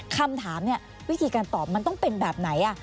คำถามเนี่ยวิธีการตอบมันต้องเป็นแบบไหน